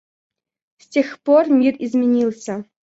С тех пор мир изменился.